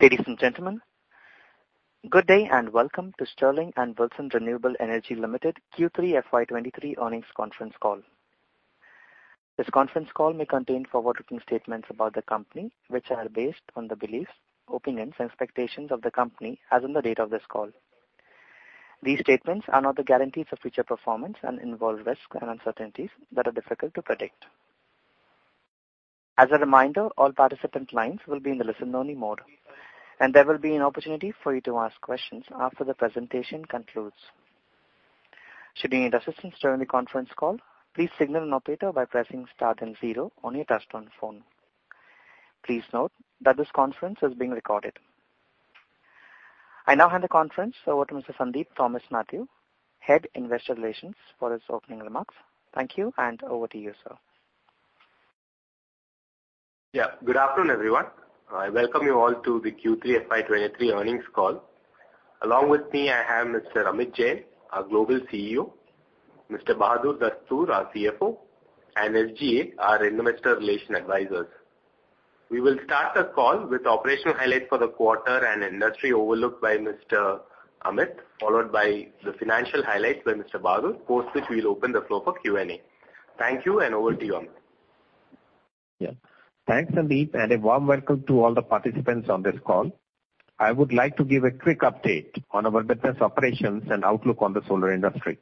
Ladies and gentlemen, good day and welcome to Sterling and Wilson Renewable Energy Limited Q3 FY23 Earnings Conference Call. This conference call may contain forward-looking statements about the company, which are based on the beliefs, opinions, and expectations of the company as on the date of this call. These statements are not the guarantees of future performance and involve risks and uncertainties that are difficult to predict. As a reminder, all participant lines will be in the listen-only mode, and there will be an opportunity for you to ask questions after the presentation concludes. Should you need assistance during the conference call, please signal an operator by pressing star then 0 on your touchtone phone. Please note that this conference is being recorded. I now hand the conference over to Mr. Sandeep Thomas Mathew, Head - Investor Relations, for his opening remarks. Thank you, and over to you, sir. Yeah. Good afternoon, everyone. I welcome you all to the Q3 FY 23 Earnings Call. Along with me, I have Mr. Amit Jain, our Global CEO, Mr. Bahadur Dastoor, our CFO, and SGA, our investor relations advisors. We will start the call with operational highlights for the quarter and industry overlook by Mr. Amit, followed by the financial highlights by Mr. Bahadur Dastoor. Post which, we'll open the floor for Q&A. Thank you, and over to you, Amit. Thanks, Sandeep, and a warm welcome to all the participants on this call. I would like to give a quick update on our business operations and outlook on the solar industry.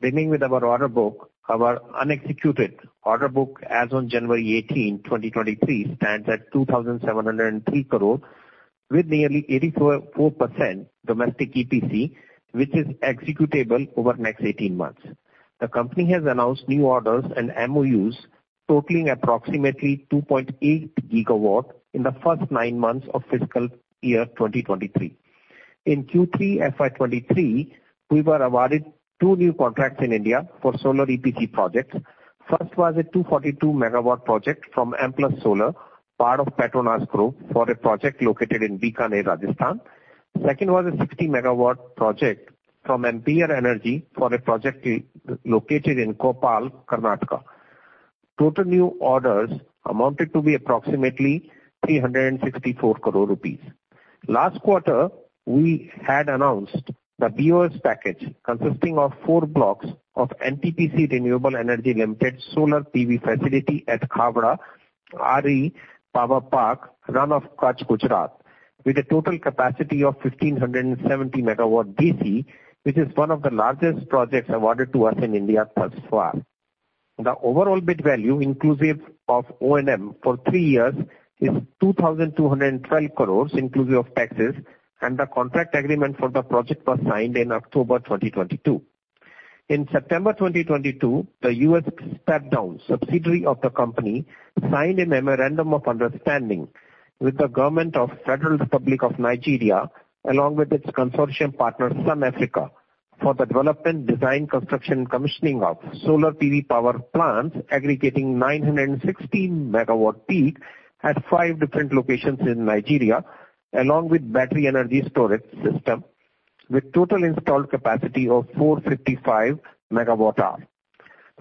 Beginning with our order book, our Unexecuted Order Book as on January 18, 2023, stands at 2,703 crore with nearly 84.4% domestic EPC, which is executable over the next 18 months. The company has announced new orders and MOUs totaling approximately 2.8 GW in the first nine months of fiscal year 2023. In Q3 FY23, we were awarded two new contracts in India for solar EPC projects. First was a 242 MW project from Amplus Solar, part of Petronas Group, for a project located in Bikaner, Rajasthan. Second was a 60 MW project from AMPYR Energy for a project located in Koppal, Karnataka. Total new orders amounted to be approximately 364 crore rupees. Last quarter, we had announced the BoS package consisting of four blocks of NTPC Renewable Energy Limited solar PV facility at Khawda, RE Power Park, Rann of Kutch, Gujarat, with a total capacity of 1,570 MW DC, which is one of the largest projects awarded to us in India thus far. The overall bid value, inclusive of O&M for 3 years, is 2,212 crore inclusive of taxes. The contract agreement for the project was signed in October 2022. In September 2022, the U.S. step-down subsidiary of the company signed a memorandum of understanding with the government of Federal Republic of Nigeria, along with its consortium partner, Sun Africa, for the development, design, construction, and commissioning of solar PV power plants aggregating 916 MW peak at five different locations in Nigeria, along with battery energy storage system with total installed capacity of 455 MWh.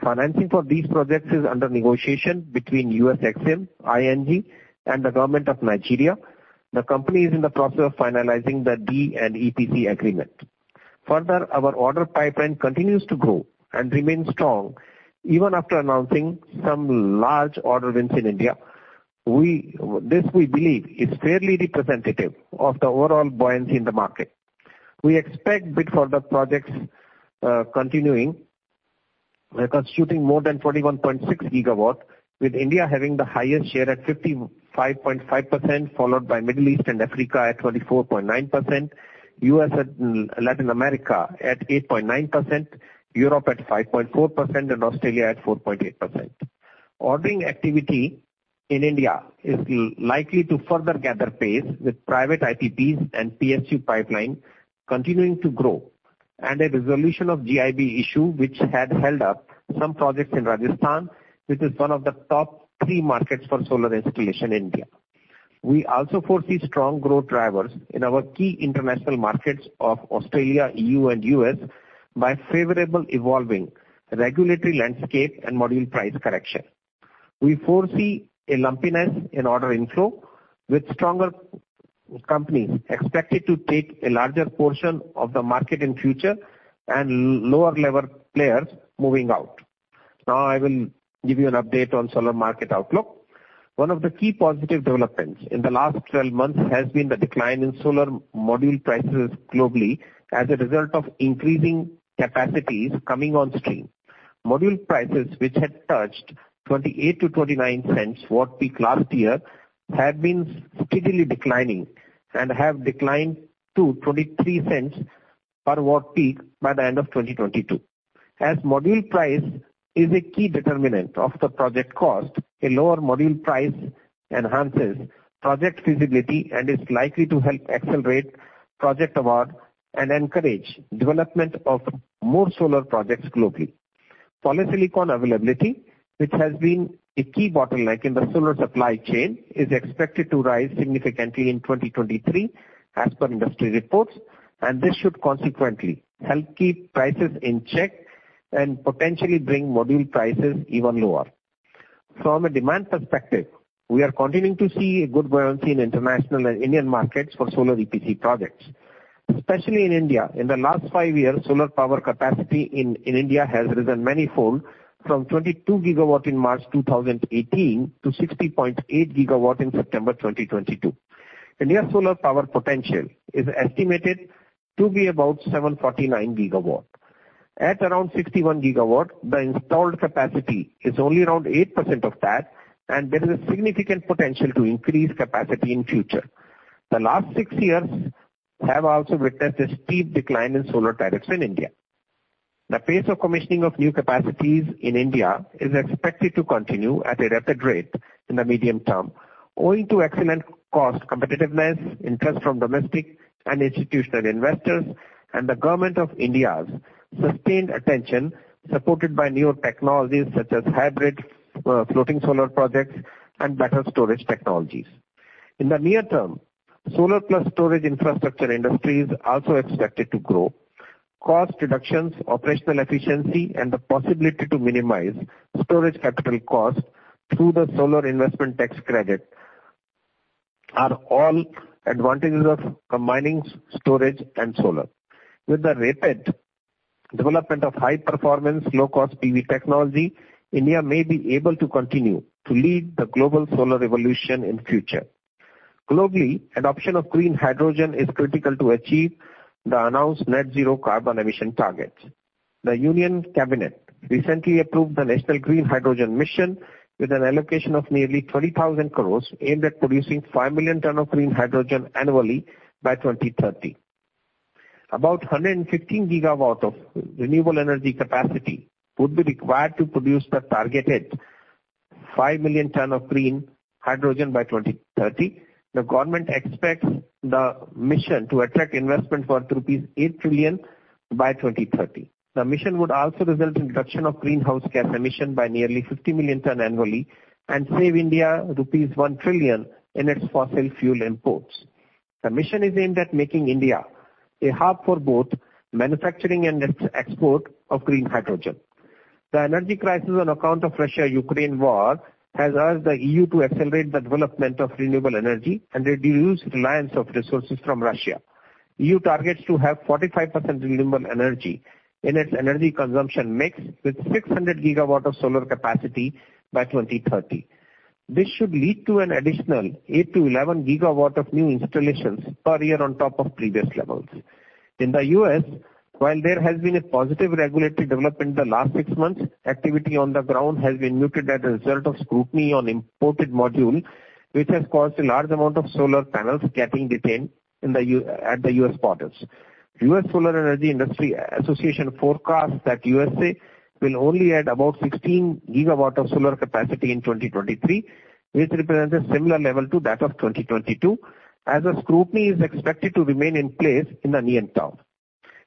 Financing for these projects is under negotiation between US EXIM, ING, and the government of Nigeria. The company is in the process of finalizing the D&EPC agreement. Our order pipeline continues to grow and remain strong even after announcing some large order wins in India. This, we believe, is fairly representative of the overall buoyancy in the market. We expect bid for the projects, continuing, constituting more than 41.6 GW, with India having the highest share at 55.5%, followed by Middle East and Africa at 24.9%, US and Latin America at 8.9%, Europe at 5.4%, and Australia at 4.8%. Ordering activity in India is likely to further gather pace with private IPPs and PSU pipeline continuing to grow, and a resolution of GIB issue which had held up some projects in Rajasthan, which is one of the top 3 markets for solar installation in India. We also foresee strong growth drivers in our key international markets of Australia, EU, and US by favorable evolving regulatory landscape and module price correction. We foresee a lumpiness in order inflow, with stronger companies expected to take a larger portion of the market in future and lower-level players moving out. I will give you an update on solar market outlook. One of the key positive developments in the last 12 months has been the decline in solar module prices globally as a result of increasing capacities coming on stream. Module prices which had touched 28-29 cents watt peak last year have been steadily declining and have declined to 23 cents per watt peak by the end of 2022. Module price is a key determinant of the project cost, a lower module price enhances project feasibility and is likely to help accelerate project award and encourage development of more solar projects globally. Polysilicon availability, which has been a key bottleneck in the solar supply chain, is expected to rise significantly in 2023 as per industry reports, and this should consequently help keep prices in check and potentially bring module prices even lower. From a demand perspective, we are continuing to see a good buoyancy in international and Indian markets for solar EPC projects. Especially in India, in the last five years, solar power capacity in India has risen manifold from 22 GW in March 2018 to 60.8 GW in September 2022. India's solar power potential is estimated to be about 749 GW. At around 61 GW, the installed capacity is only around 8% of that, and there is a significant potential to increase capacity in future. The last six years have also witnessed a steep decline in solar tariffs in India. The pace of commissioning of new capacities in India is expected to continue at a rapid rate in the medium term, owing to excellent cost competitiveness, interest from domestic and institutional investors, and the Government of India's sustained attention, supported by newer technologies such as hybrid, floating solar projects and better storage technologies. In the near term, solar plus storage infrastructure industry is also expected to grow. Cost reductions, operational efficiency, and the possibility to minimize storage capital costs through the solar Investment Tax Credit are all advantages of combining storage and solar. With the rapid development of high performance, low cost PV technology, India may be able to continue to lead the global solar revolution in future. Globally, adoption of green hydrogen is critical to achieve the announced net zero carbon emission targets. The Union Cabinet recently approved the National Green Hydrogen Mission with an allocation of nearly 30,000 crores aimed at producing 5 million ton of green hydrogen annually by 2030. About 115 GW of renewable energy capacity would be required to produce the targeted 5 million ton of green hydrogen by 2030. The government expects the mission to attract investment worth rupees 8 trillion by 2030. The mission would also result in reduction of greenhouse gas emission by nearly 50 million ton annually and save India rupees 1 trillion in its fossil fuel imports. The mission is aimed at making India a hub for both manufacturing and its export of green hydrogen. The energy crisis on account of Russia-Ukraine war has urged the EU to accelerate the development of renewable energy and reduce reliance of resources from Russia. EU targets to have 45% renewable energy in its energy consumption mix, with 600 GW of solar capacity by 2030. This should lead to an additional 8-11 GW of new installations per year on top of previous levels. In the U.S., while there has been a positive regulatory development in the last 6 months, activity on the ground has been muted as a result of scrutiny on imported module, which has caused a large amount of solar panels getting detained at the U.S. borders. Solar Energy Industries Association forecasts that USA will only add about 16 GW of solar capacity in 2023, which represents a similar level to that of 2022, as the scrutiny is expected to remain in place in the near term.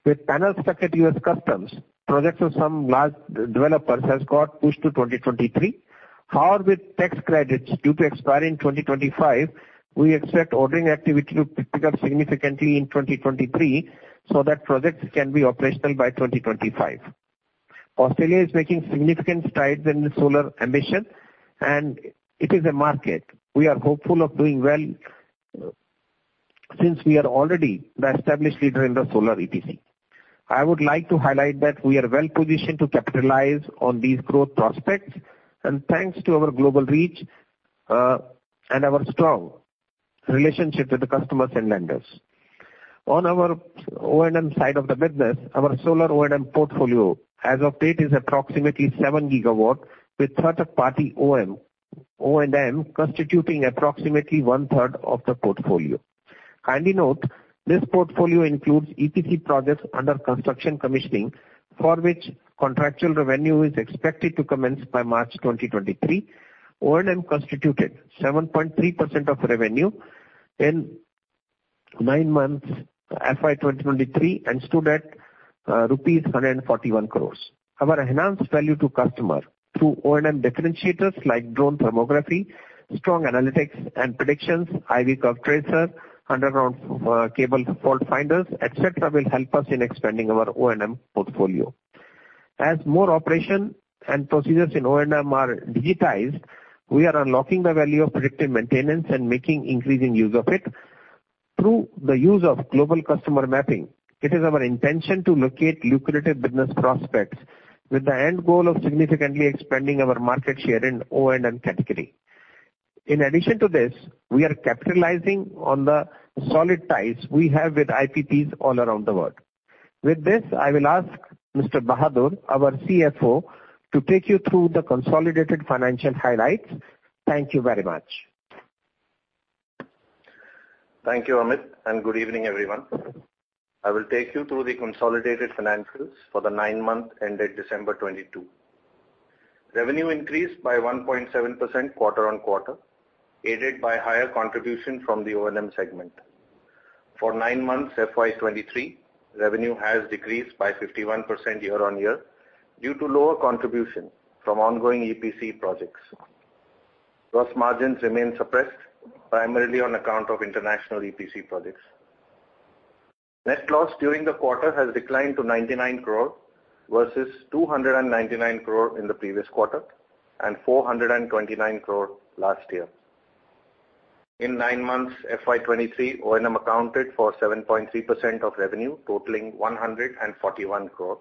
With panels stuck at U.S. Customs, projects of some large developers has got pushed to 2023. With tax credits due to expire in 2025, we expect ordering activity to pick up significantly in 2023 so that projects can be operational by 2025. Australia is making significant strides in the solar ambition, it is a market we are hopeful of doing well since we are already the established leader in the solar EPC. I would like to highlight that we are well positioned to capitalize on these growth prospects, thanks to our global reach, and our strong relationship with the customers and lenders. On our O&M side of the business, our solar O&M portfolio as of date is approximately 7 GW, with third-party O&M constituting approximately 1/3 of the portfolio. Kindly note, this portfolio includes EPC projects under construction commissioning, for which contractual revenue is expected to commence by March 2023. O&M constituted 7.3% of revenue in 9 months FY 2023, and stood at rupees 141 crores. Our enhanced value to customer through O&M differentiators like drone thermography, strong analytics and predictions, IV curve tracer, underground cable fault finders, et cetera, will help us in expanding our O&M portfolio. As more operation and procedures in O&M are digitized, we are unlocking the value of predictive maintenance and making increasing use of it. Through the use of global customer mapping, it is our intention to locate lucrative business prospects with the end goal of significantly expanding our market share in O&M category. In addition to this, we are capitalizing on the solid ties we have with IPPs all around the world. With this, I will ask Mr. Bahadur, our CFO, to take you through the consolidated financial highlights. Thank you very much. Thank you, Amit. Good evening, everyone. I will take you through the consolidated financials for the 9 months ended December 2022. Revenue increased by 1.7% quarter-over-quarter, aided by higher contribution from the O&M segment. For 9 months FY 2023, revenue has decreased by 51% year-over-year due to lower contribution from ongoing EPC projects. Gross margins remain suppressed primarily on account of international EPC projects. Net loss during the quarter has declined to 99 crore, versus 299 crore in the previous quarter and 429 crore last year. In 9 months FY 2023, O&M accounted for 7.3% of revenue, totaling 141 crore.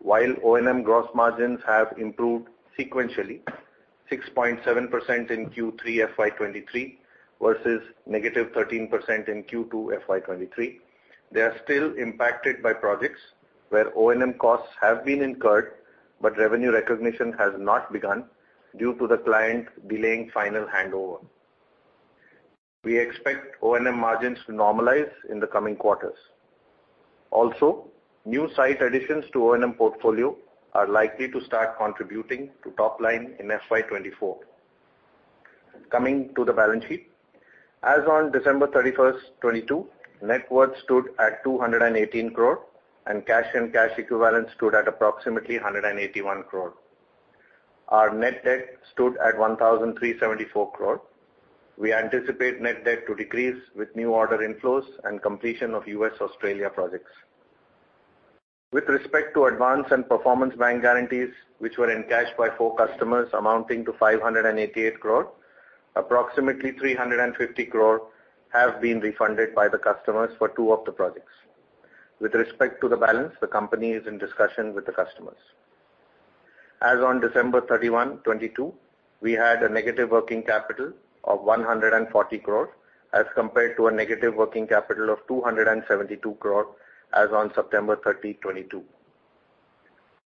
While O&M gross margins have improved sequentially, 6.7% in Q3 FY 2023 versus negative 13% in Q2 FY 2023. They are still impacted by projects where O&M costs have been incurred, but revenue recognition has not begun due to the client delaying final handover. We expect O&M margins to normalize in the coming quarters. New site additions to O&M portfolio are likely to start contributing to top line in FY 2024. Coming to the balance sheet. As on December 31, 2022, net worth stood at 218 crore, and cash and cash equivalents stood at approximately 181 crore. Our net debt stood at 1,374 crore. We anticipate net debt to decrease with new order inflows and completion of U.S., Australia projects. With respect to advance and performance bank guarantees, which were encashed by four customers amounting to 588 crore, approximately 350 crore have been refunded by the customers for two of the projects. With respect to the balance, the company is in discussion with the customers. As on December 31, 2022, we had a negative working capital of 140 crore as compared to a negative working capital of 272 crore as on September 30, 2022.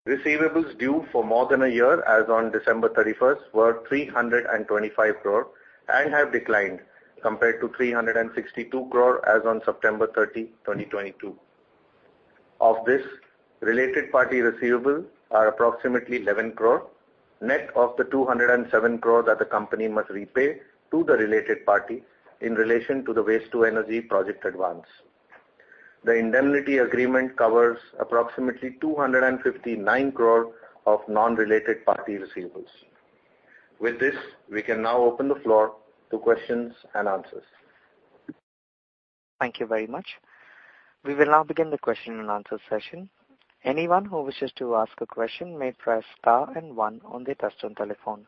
Receivables due for more than a year as on December 31 were 325 crore and have declined compared to 362 crore as on September 30, 2022. Of this, related party receivables are approximately 11 crore, net of the 207 crore that the company must repay to the related party in relation to the waste to energy project advance. The indemnity agreement covers approximately 259 crore of non-related party receivables. With this, we can now open the floor to questions and answers. Thank you very much. We will now begin the question and answer session. Anyone who wishes to ask a question may press star and one on their touchtone telephone.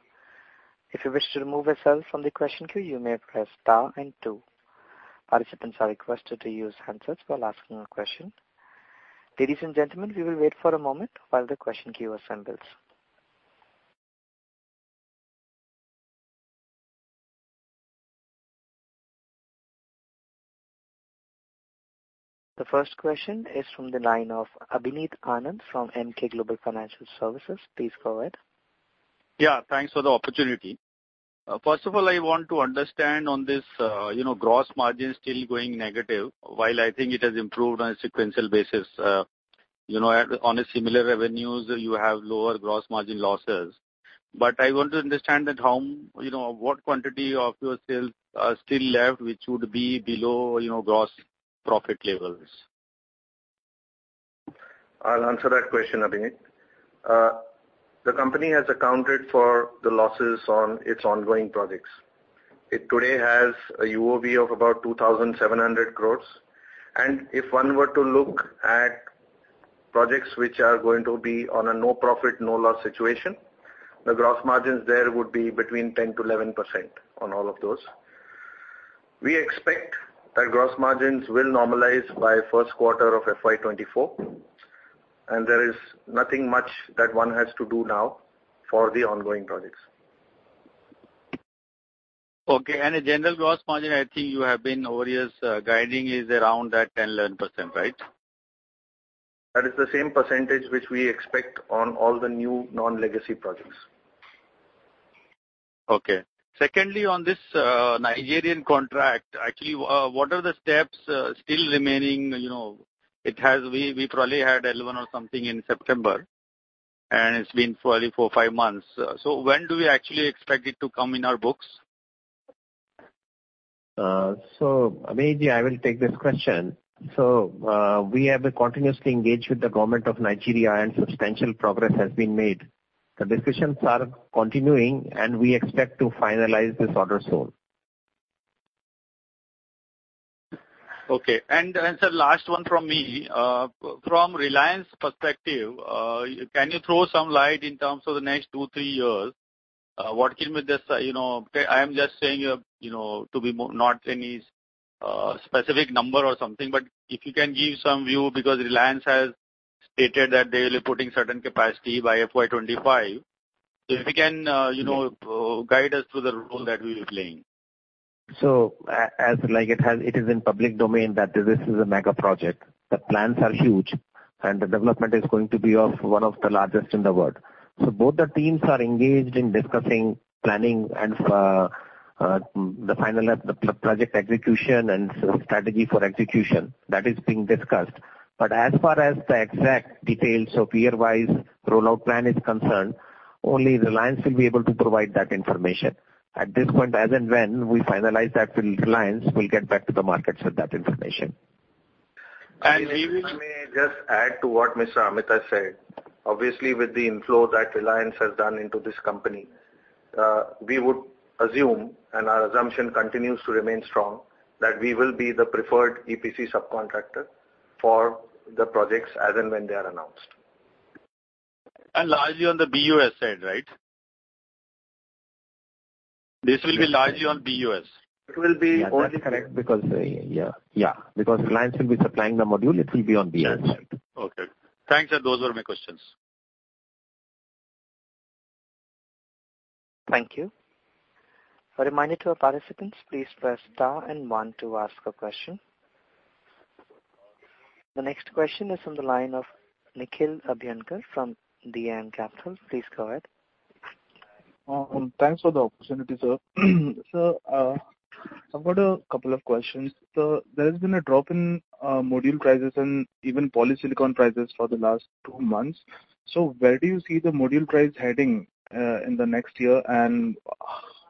If you wish to remove yourself from the question queue, you may press star and two. Participants are requested to use handsets while asking a question. Ladies and gentlemen, we will wait for a moment while the question queue assembles. The first question is from the line of Abhineet Anand from Emkay Global Financial Services. Please go ahead. Thanks for the opportunity. First of all, I want to understand on this, you know, gross margin still going negative, while I think it has improved on a sequential basis. You know, on a similar revenues, you have lower gross margin losses. I want to understand that how, you know, what quantity of your sales are still left, which would be below, you know, gross profit levels. I'll answer that question, Abhineet. The company has accounted for the losses on its ongoing projects. It today has a UOB of about 2,700 crores. If one were to look at projects which are going to be on a no profit, no loss situation, the gross margins there would be between 10%-11% on all of those. We expect that gross margins will normalize by first quarter of FY2024, and there is nothing much that one has to do now for the ongoing projects. Okay. A general gross margin, I think you have been over years, guiding is around that 10%-11%, right? That is the same percentage which we expect on all the new non-legacy projects. Okay. Secondly, on this Nigerian contract, actually, what are the steps still remaining? You know, we probably had L1 or something in September, and it's been probably 4, 5 months. When do we actually expect it to come in our books? Abhineet, I will take this question. We have been continuously engaged with the government of Nigeria, and substantial progress has been made. The discussions are continuing, and we expect to finalize this order soon. Okay. Sir, last one from me. From Reliance perspective, can you throw some light in terms of the next two, three years? What can be just, you know, I am just saying, you know, to be more not any specific number or something, but if you can give some view because Reliance has stated that they will be putting certain capacity by FY25. If you can, you know, guide us through the role that we'll be playing. As like it is in public domain that this is a mega project. The plans are huge, and the development is going to be of one of the largest in the world. Both the teams are engaged in discussing, planning and the final project execution and strategy for execution. That is being discussed. As far as the exact details of year-wise rollout plan is concerned, only Reliance will be able to provide that information. At this point, as and when we finalize that with Reliance, we'll get back to the markets with that information. If I may just add to what Mr. Amit said. Obviously, with the inflow that Reliance has done into this company, we would assume, and our assumption continues to remain strong, that we will be the preferred EPC subcontractor for the projects as and when they are announced. largely on the BoS side, right? This will be largely on BoS. Totally correct. Because, yeah, because Reliance will be supplying the module. It will be on BoS. Okay. Thanks, sir. Those were my questions. Thank you. A reminder to our participants, please press star and one to ask a question. The next question is from the line of Nikhil Abhyankar from DAM Capital. Please go ahead. Thanks for the opportunity, sir. Sir, I've got a couple of questions. There has been a drop in module prices and even polysilicon prices for the last two months. Where do you see the module price heading in the next year?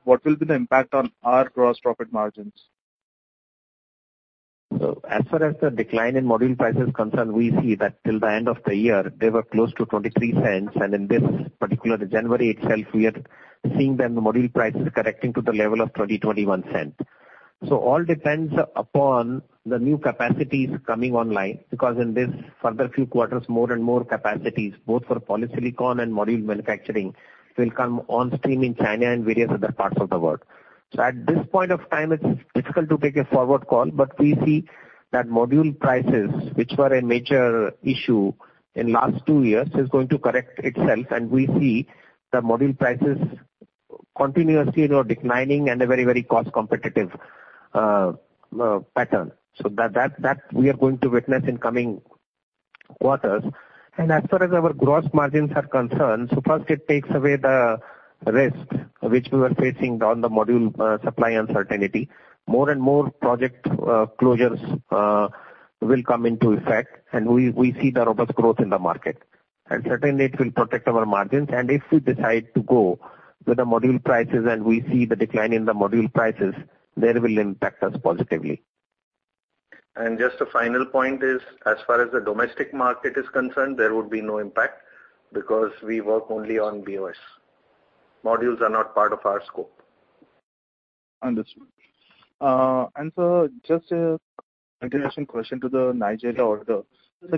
What will be the impact on our gross profit margins? As far as the decline in module price is concerned, we see that till the end of the year, they were close to $0.23. In this particular January itself, we are seeing that the module price is correcting to the level of $0.20-$0.21. All depends upon the new capacities coming online, because in this further few quarters, more and more capacities, both for polysilicon and module manufacturing, will come on stream in China and various other parts of the world. At this point of time, it's difficult to take a forward call. We see that module prices, which were a major issue in last two years, is going to correct itself. We see the module prices continuously, you know, declining and a very, very cost competitive pattern. That we are going to witness in coming quarters. As far as our gross margins are concerned, first it takes away the risk which we were facing on the module supply uncertainty. More and more project closures will come into effect. We see the robust growth in the market. Certainly it will protect our margins. If we decide to go with the module prices, and we see the decline in the module prices, that will impact us positively. Just a final point is, as far as the domestic market is concerned, there would be no impact because we work only on BoS. Modules are not part of our scope. Understood. Sir, just a continuation question to the Nigeria order.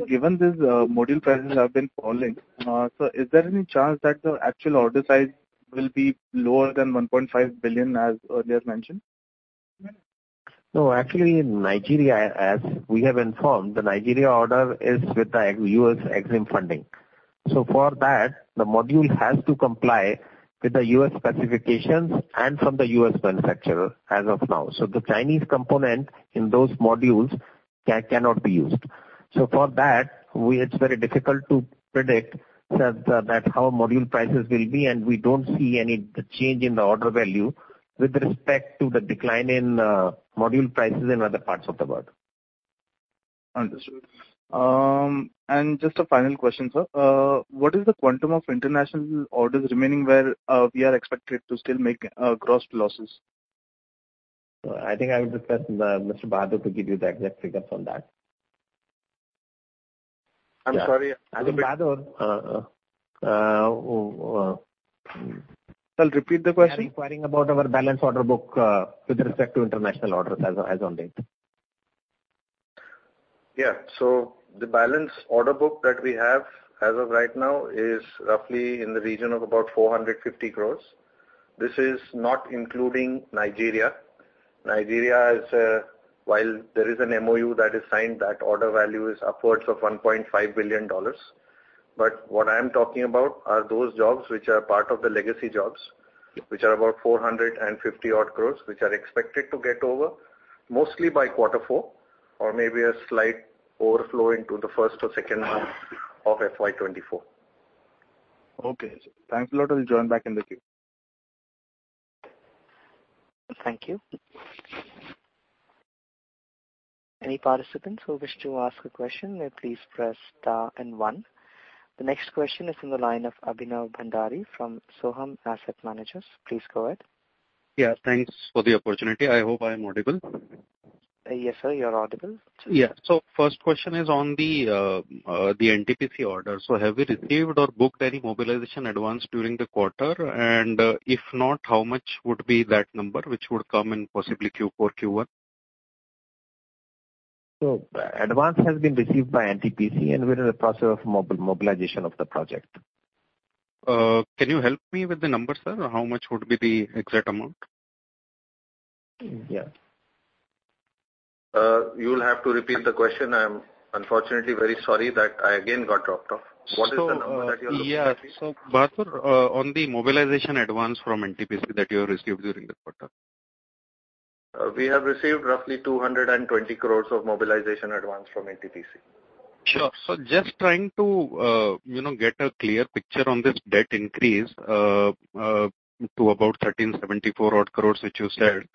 Given these, module prices have been falling, so is there any chance that the actual order size will be lower than $1.5 billion, as earlier mentioned? No, actually in Nigeria, as we have informed, the Nigeria order is with the U.S. Exim Bank funding. For that, the module has to comply with the U.S. specifications and from the U.S. manufacturer as of now. The Chinese component in those modules cannot be used. For that, it's very difficult to predict, sir, that how module prices will be. We don't see any change in the order value with respect to the decline in module prices in other parts of the world. Understood. Just a final question, sir. What is the quantum of international orders remaining where, we are expected to still make, gross losses? I think I would request Mr. Bahadur to give you the exact figures on that. I'm sorry. Mr. Bahadur. Sir, repeat the question. They are inquiring about our balance order book, with respect to international orders as on date. Yeah. The balance order book that we have as of right now is roughly in the region of about 450 crores. This is not including Nigeria. Nigeria is, while there is an MoU that is signed, that order value is upwards of $1.5 billion. What I am talking about are those jobs which are part of the legacy jobs, which are about 450 odd crores, which are expected to get over mostly by Q4 or maybe a slight overflow into the first or second half of FY2024. Okay. Thanks a lot. I'll join back in the queue. Thank you. Any participants who wish to ask a question may please press star and one. The next question is from the line of Abhinav Bhandari from Sohum Asset Managers. Please go ahead. Yeah, thanks for the opportunity. I hope I am audible. Yes, sir, you are audible. Yeah. First question is on the NTPC order. Have you received or booked any mobilization advance during the quarter? If not, how much would be that number, which would come in possibly Q4, Q1? Advance has been received by NTPC, and we are in the process of mobilization of the project. Can you help me with the numbers, sir? How much would be the exact amount? Yeah. You'll have to repeat the question. I'm unfortunately very sorry that I again got dropped off. What is the number that you're looking at me? Yeah. Bahadur, on the mobilization advance from NTPC that you have received during the quarter. We have received roughly 220 crores of mobilization advance from NTPC. Sure. Just trying to, you know, get a clear picture on this debt increase, to about 1,374 crore, which you said.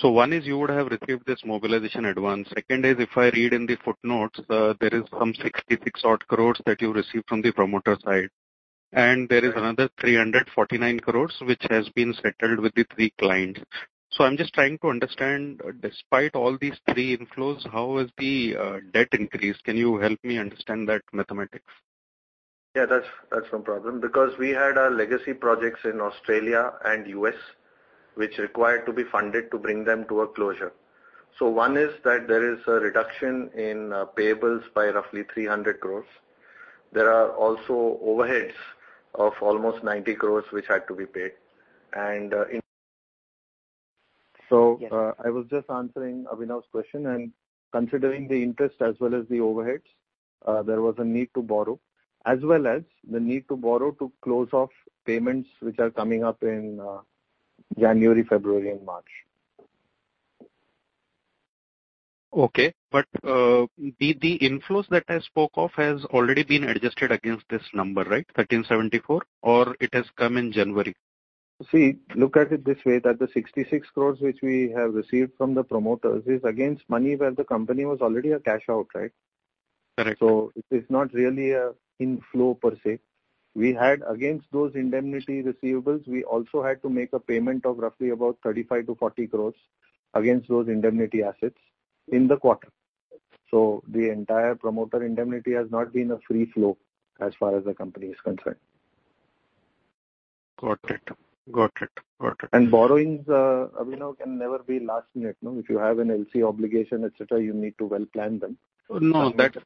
One is you would have received this mobilization advance. Second is, if I read in the footnotes, there is some 66 crore that you received from the promoter side. There is another 349 crore which has been settled with the three clients. I'm just trying to understand, despite all these three inflows, how is the debt increase? Can you help me understand that mathematics? Yeah, that's no problem. We had our legacy projects in Australia and U.S. which required to be funded to bring them to a closure. One is that there is a reduction in payables by roughly 300 crores. There are also overheads of almost 90 crores which had to be paid. I was just answering Abhinav's question, and considering the interest as well as the overheads, there was a need to borrow, as well as the need to borrow to close off payments which are coming up in January, February and March. Okay. The, the inflows that I spoke of has already been adjusted against this number, right? 1,374, or it has come in January. Look at it this way, that the 66 crore which we have received from the promoters is against money where the company was already a cash out, right? Correct. It is not really a inflow per se. We had against those indemnity receivables, we also had to make a payment of roughly about 35 crore-40 crore against those indemnity assets in the quarter. The entire promoter indemnity has not been a free flow as far as the company is concerned. Got it. Got it. Got it. Borrowings, Abhinav can never be last minute, no. If you have an LC obligation, et cetera, you need to well plan them. No, that's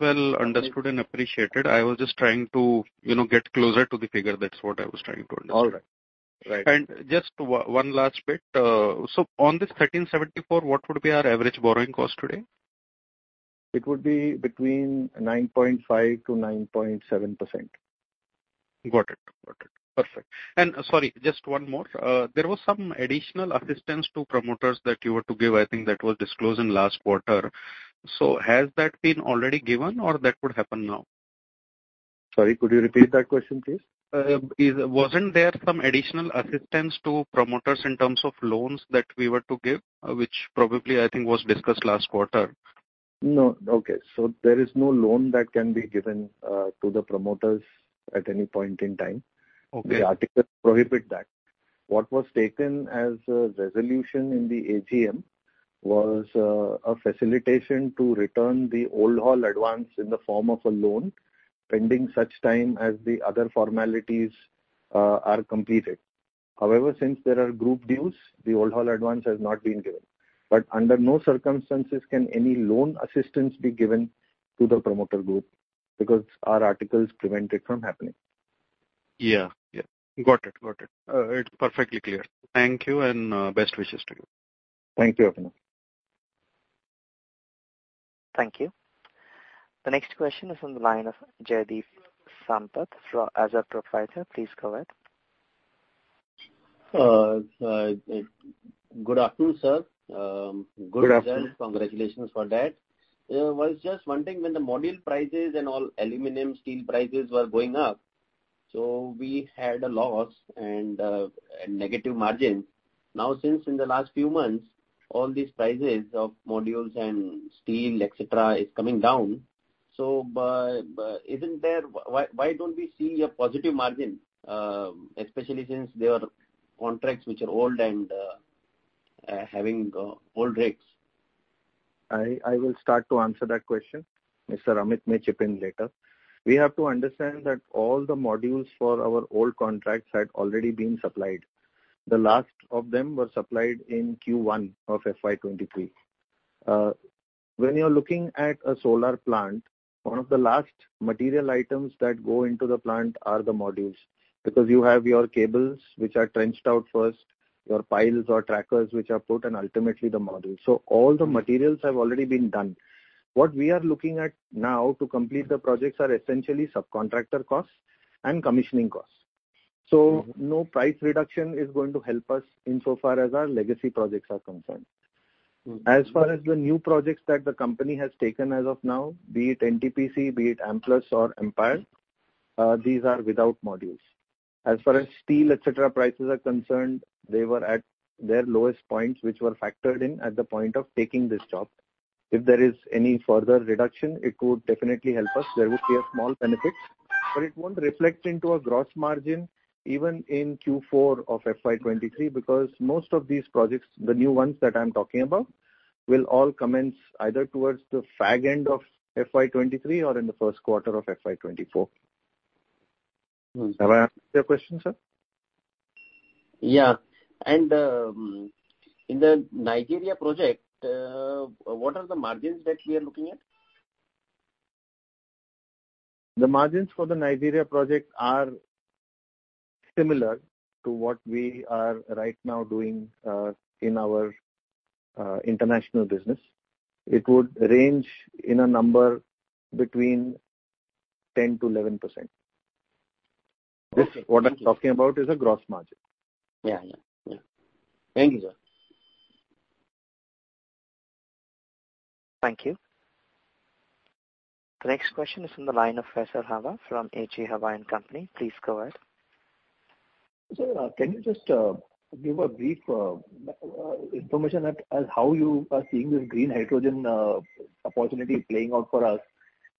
well understood and appreciated. I was just trying to, you know, get closer to the figure. That's what I was trying to understand. All right. Right. Just one last bit. On this 1,374, what would be our average borrowing cost today? It would be between 9.5%-9.7%. Got it. Got it. Perfect. Sorry, just one more. There was some additional assistance to promoters that you were to give, I think that was disclosed in last quarter. Has that been already given or that would happen now? Sorry, could you repeat that question, please? Wasn't there some additional assistance to promoters in terms of loans that we were to give, which probably I think was discussed last quarter? No. Okay. There is no loan that can be given to the promoters at any point in time. Okay. The articles prohibit that. What was taken as a resolution in the AGM was a facilitation to return the O&M mobilization advance in the form of a loan, pending such time as the other formalities are completed. Since there are group dues, the O&M mobilization advance has not been given. Under no circumstances can any loan assistance be given to the promoter group because our articles prevent it from happening. Yeah. Yeah. Got it. Got it. It's perfectly clear. Thank you and, best wishes to you. Thank you, Abhinav. Thank you. The next question is on the line of Jaideep Sampat as a Proprietor. Please go ahead. Good afternoon, sir. Good results. Good afternoon. Congratulations for that. Was just wondering when the module prices and all aluminum steel prices were going up, so we had a loss and negative margin. Since in the last few months, all these prices of modules and steel, et cetera, is coming down. Why don't we see a positive margin, especially since there are contracts which are old and having old rates? I will start to answer that question. Mr. Amit may chip in later. We have to understand that all the modules for our old contracts had already been supplied. The last of them were supplied in Q1 of FY 23. When you're looking at a solar plant, one of the last material items that go into the plant are the modules. Because you have your cables which are trenched out first, your piles or trackers which are put, and ultimately the module. All the materials have already been done. What we are looking at now to complete the projects are essentially subcontractor costs and commissioning costs. No price reduction is going to help us insofar as our legacy projects are concerned. As far as the new projects that the company has taken as of now, be it NTPC, be it Amplus, or AMPYR Energy, these are without modules. As far as steel, et cetera, prices are concerned, they were at their lowest points, which were factored in at the point of taking this job. If there is any further reduction, it could definitely help us. There would be a small benefit, but it won't reflect into a gross margin even in Q4 of FY 23, because most of these projects, the new ones that I'm talking about, will all commence either towards the fag end of FY 23 or in the first quarter of FY 24. Have I answered your question, sir? Yeah. In the Nigeria project, what are the margins that we are looking at? The margins for the Nigeria project are similar to what we are right now doing, in our international business. It would range in a number between 10%-11%. Okay. What I'm talking about is a gross margin. Yeah. Yeah. Yeah. Thank you, sir. Thank you. The next question is from the line of Faisal Hawa from H.G. Hawa & Company. Please go ahead. Sir, can you just give a brief information at, as how you are seeing this green hydrogen opportunity playing out for us?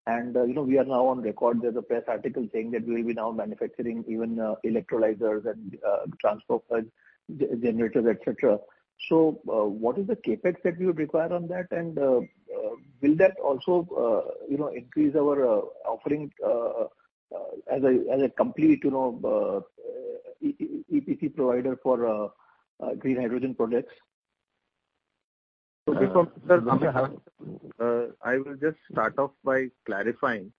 You know, we are now on record. There's a press article saying that we'll be now manufacturing even electrolyzers and transformers, generators, et cetera. What is the CapEx that we would require on that? Will that also, you know, increase our offering as a complete, you know, EPC provider for green hydrogen projects? Okay. I will just start off by clarifying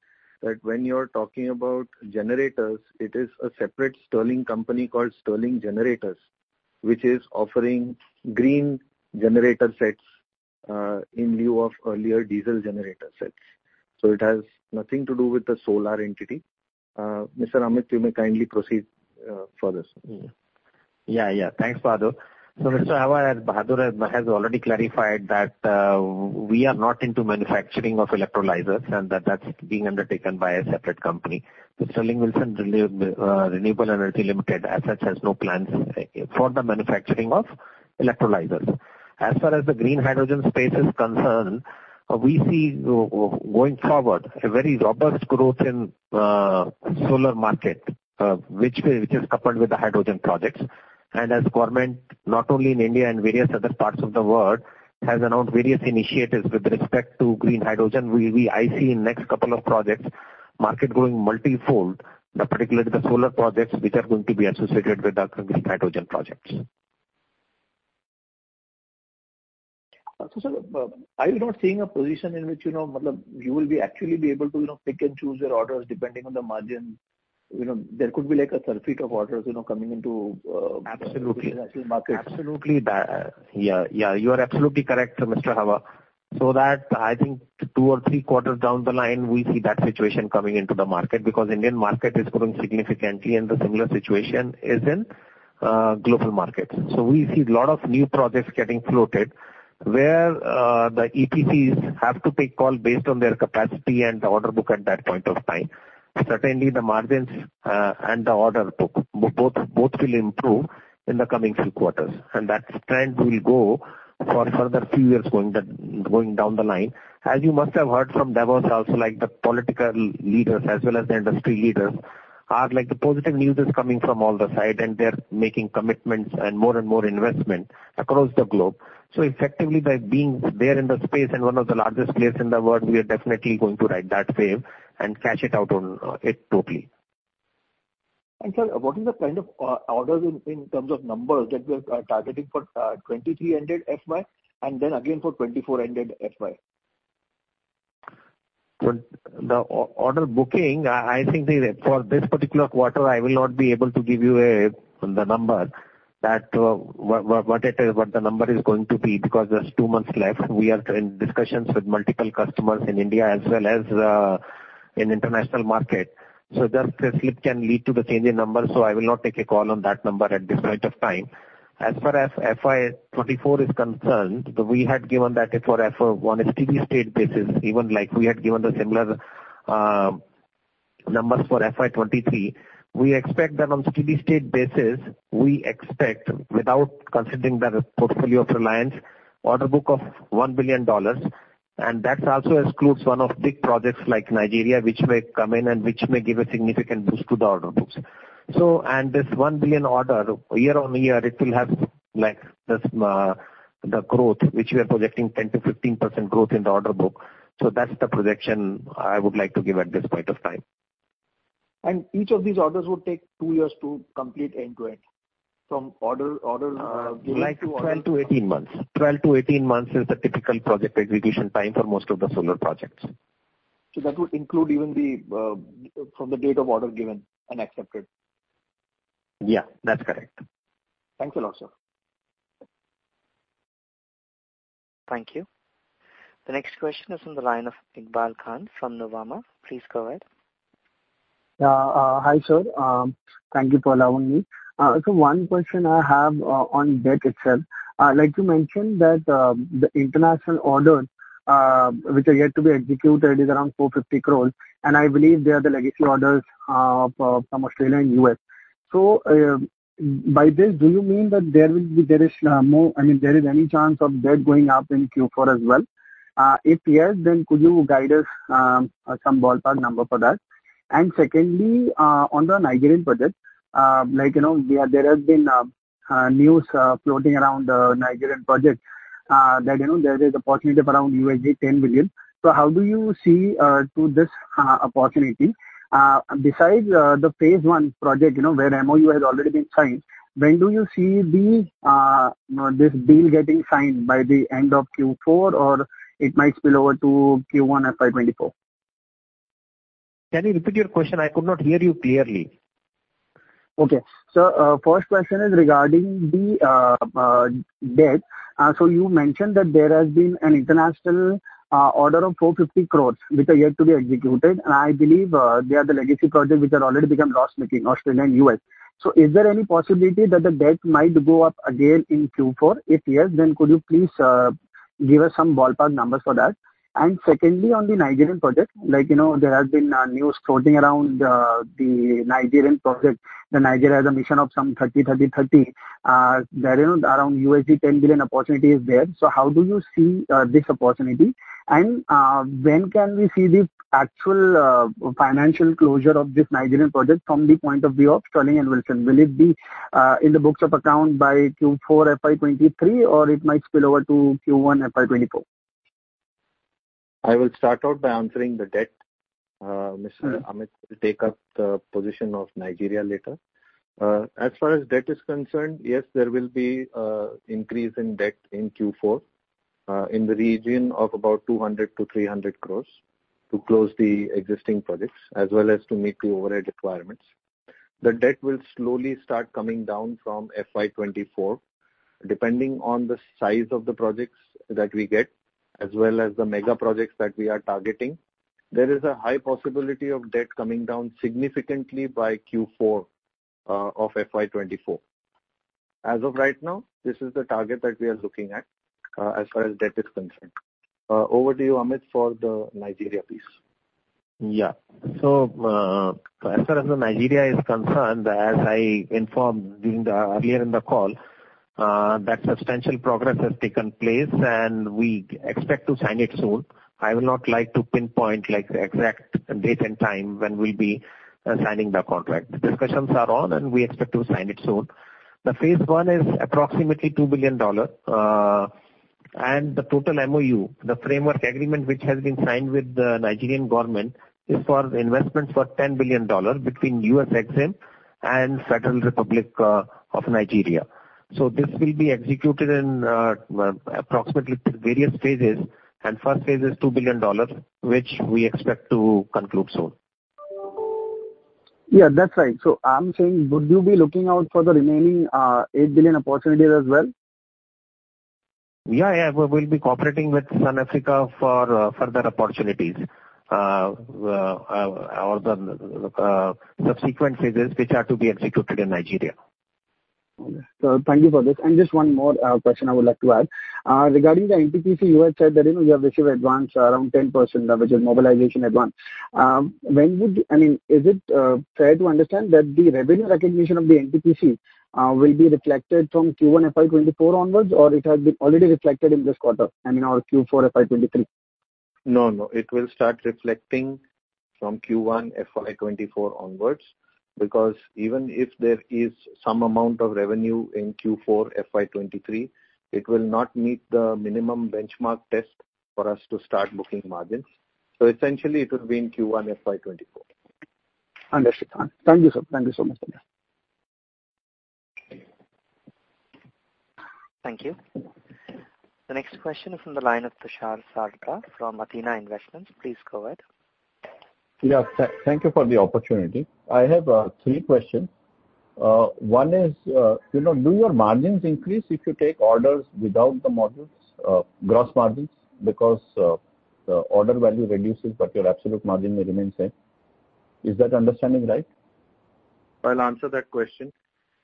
that when you're talking about generators, it is a separate Stirling company called Stirling Generators, which is offering green generator sets, in lieu of earlier diesel generator sets. It has nothing to do with the solar entity. Mr. Amit, you may kindly proceed for this. Yeah, yeah. Thanks, Bahadur. Mr. Hawa, as Bahadur has already clarified that we are not into manufacturing of electrolyzers and that that's being undertaken by a separate company. Sterling and Wilson Renewable Energy Limited, as such, has no plans for the manufacturing of electrolyzers. As far as the green hydrogen space is concerned, we see going forward a very robust growth in solar market, which is coupled with the hydrogen projects. As government, not only in India and various other parts of the world, has announced various initiatives with respect to green hydrogen. We I see in next couple of projects, market growing multifold, but particularly the solar projects which are going to be associated with our green hydrogen projects. Are you not seeing a position in which, you know, you will be actually be able to, you know, pick and choose your orders depending on the margin? You know, there could be like a surfeit of orders, you know, coming into the market. Absolutely. Yeah, yeah, you are absolutely correct, Mr. Hawa. That I think two or three quarters down the line, we see that situation coming into the market because Indian market is growing significantly and the similar situation is in global markets. We see lot of new projects getting floated where the EPCs have to take call based on their capacity and the order book at that point of time. Certainly, the margins, and the order book, both will improve in the coming few quarters, and that trend will go for further few years going down the line. As you must have heard from Davos also, like the political leaders as well as the industry leaders are like the positive news is coming from all the side and they're making commitments and more and more investment across the globe. Effectively, by being there in the space and one of the largest players in the world, we are definitely going to ride that wave and cash it out on it totally. Sir, what is the kind of orders in terms of numbers that we are targeting for, 23 ended FY and then again for 24 ended FY? The order booking, I think for this particular quarter, I will not be able to give you the number that what it is, what the number is going to be, because there's 2 months left. We are in discussions with multiple customers in India as well as in international market. Just a slip can lead to the change in numbers. I will not take a call on that number at this point of time. As far as FY24 is concerned, we had given that for one steady state basis, even like we had given the similar numbers for FY23. We expect that on steady state basis, we expect without considering the portfolio of Reliance order book of $1 billion. That also excludes one of big projects like Nigeria, which may come in and which may give a significant boost to the order books. This 1 billion order year-on-year, it will have like this, the growth which we are projecting 10%-15% growth in the order book. That's the projection I would like to give at this point of time. Each of these orders would take two years to complete end-to-end from order. Like 12-18 months. 12-18 months is the typical project execution time for most of the solar projects. That would include even the, from the date of order given and accepted. Yeah, that's correct. Thanks a lot, sir. Thank you. The next question is on the line of Iqbal Khan from Nuvama. Please go ahead. Hi, sir. Thank you for allowing me. One question I have on debt itself. I'd like to mention that the international orders which are yet to be executed is around 450 crores, and I believe they are the legacy orders from Australia and U.S. By this, do you mean that there is more, I mean there is any chance of debt going up in Q4 as well? If yes, then could you guide us some ballpark number for that? Secondly, on the Nigerian project, like, you know, there has been news floating around Nigerian project, that, you know, there is opportunity of around $10 billion. How do you see to this opportunity besides the phase I project, you know, where MOU has already been signed? When do you see this deal getting signed, by the end of Q4 or it might spill over to Q1 FY 2024? Can you repeat your question? I could not hear you clearly. Okay. First question is regarding the debt. You mentioned that there has been an international order of 450 crores, which are yet to be executed. I believe they are the legacy projects which have already become loss-making, Australia and U.S. Is there any possibility that the debt might go up again in Q4? If yes, could you please give us some ballpark numbers for that? Secondly, on the Nigerian project, like, you know, there has been a news floating around the Nigerian project. Nigeria has a mission of some 30:30:30. There is around $10 billion opportunity there. How do you see this opportunity? When can we see the actual financial closure of this Nigerian project from the point of view of Sterling and Wilson? Will it be, in the books of account by Q4 FY23 or it might spill over to Q1 FY24? I will start out by answering the debt. Mr. Amit will take up the position of Nigeria later. As far as debt is concerned, yes, there will be increase in debt in Q4, in the region of about 200-300 crores to close the existing projects as well as to meet the overhead requirements. The debt will slowly start coming down from FY 2024. Depending on the size of the projects that we get, as well as the mega projects that we are targeting, there is a high possibility of debt coming down significantly by Q4 of FY 2024. As of right now, this is the target that we are looking at, as far as debt is concerned. Over to you, Amit, for the Nigeria piece. Yeah. As far as the Nigeria is concerned, as I informed earlier in the call, that substantial progress has taken place, and we expect to sign it soon. I will not like to pinpoint, like, the exact date and time when we'll be signing the contract. Discussions are on, and we expect to sign it soon. The phase I is approximately $2 billion, and the total MOU, the framework agreement which has been signed with the Nigerian government is for investment for $10 billion between U.S. Exim and Federal Republic of Nigeria. This will be executed in approximately various phases, and first phase is $2 billion, which we expect to conclude soon. Yeah, that's right. I'm saying would you be looking out for the remaining, 8 billion opportunities as well? Yeah. We'll be cooperating with Sun Africa for further opportunities or the subsequent phases which are to be executed in Nigeria. Thank you for this. Just one more question I would like to add. Regarding the NTPC, you had said that, you know, you have received advance around 10%, which is mobilization advance. I mean, is it fair to understand that the revenue recognition of the NTPC will be reflected from Q1 FY 2024 onwards, or it has been already reflected in this quarter, I mean, our Q4 FY 2023? No, no. It will start reflecting from Q1 FY 2024 onwards because even if there is some amount of revenue in Q4 FY 2023, it will not meet the minimum benchmark test for us to start booking margins. Essentially it will be in Q1 FY 2024. Understood. Thank you, sir. Thank you so much. Thank you. The next question is from the line of Tushar Sarda from Athena Investments. Please go ahead. Thank you for the opportunity. I have three questions. One is, you know, do your margins increase if you take orders without the modules, gross margins? Because the order value reduces, but your absolute margin remains same. Is that understanding right? I'll answer that question.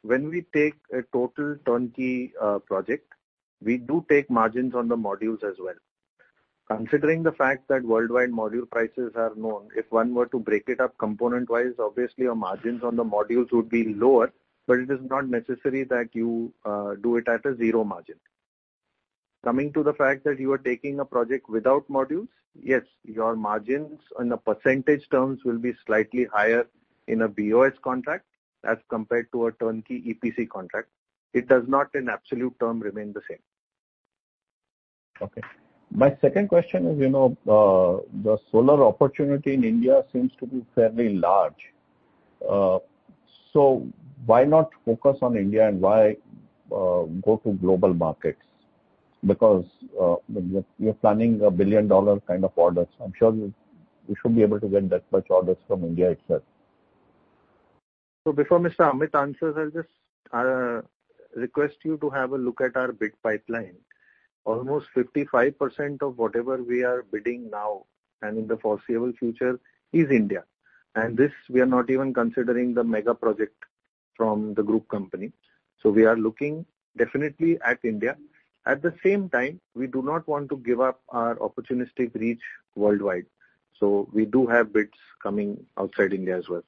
When we take a total turnkey project, we do take margins on the modules as well. Considering the fact that worldwide module prices are known, if one were to break it up component wise, obviously your margins on the modules would be lower, but it is not necessary that you do it at a zero margin. Coming to the fact that you are taking a project without modules, yes, your margins on the percentage terms will be slightly higher in a BoS contract as compared to a turnkey EPC contract. It does not in absolute term remain the same. Okay. My second question is, you know, the solar opportunity in India seems to be fairly large. Why not focus on India, and why go to global markets? You're planning a billion-dollar kind of orders. I'm sure you should be able to get that much orders from India itself. Before Mr. Amit answers, I'll just request you to have a look at our bid pipeline. Almost 55% of whatever we are bidding now and in the foreseeable future is India. This we are not even considering the mega project from the group company. We are looking definitely at India. At the same time, we do not want to give up our opportunistic reach worldwide. We do have bids coming outside India as well.